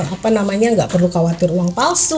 apa namanya nggak perlu khawatir uang palsu